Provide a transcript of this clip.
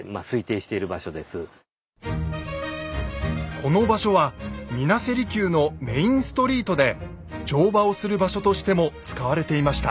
この場所は水無瀬離宮のメインストリートで乗馬をする場所としても使われていました。